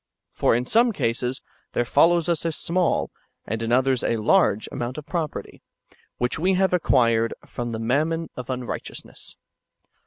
For in some cases there follows us a small, and in others a large amount of property, which we have acquired ' from the mammon of unrighteousness.